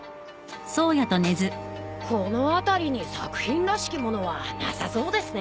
この辺りに作品らしきものはなさそうですね。